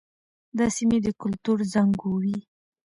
دا سیمې د کلتور زانګو وې.